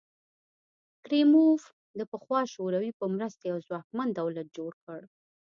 کریموف د پخوا شوروي په مرسته یو ځواکمن دولت جوړ کړ.